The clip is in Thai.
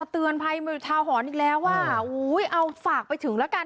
เตือนภัยทาหรณ์อีกแล้วว่าอุ้ยเอาฝากไปถึงแล้วกัน